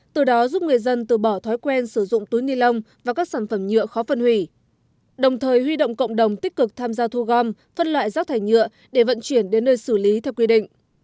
từ đó giúp người dân từ bỏ thói quen sử dụng túi ni lông và các sản phẩm nhựa khó phân hủy đồng thời huy động cộng đồng tích cực tham gia thu gom phân loại rác thải nhựa để vận chuyển đến nơi xử lý theo quy định